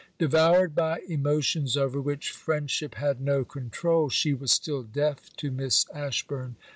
Devoured by emotions over which friendship had no control, she was still deaf to Miss Ashburn.